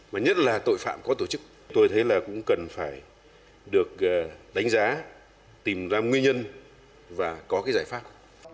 mà nhất là tội phạm có tổ chức tôi thấy là cũng cần phải được đánh giá tìm ra nguyên nhân và có cái giải pháp